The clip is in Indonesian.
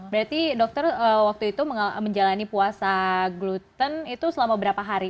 berarti dokter waktu itu menjalani puasa gluten itu selama berapa hari